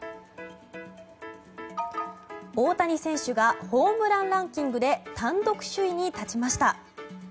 大谷選手がホームランランキングで単独首位に立ちました。